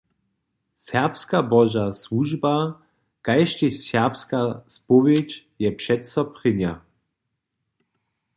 Serbska Boža słužba kaž tež serbska spowědź je přeco prěnja.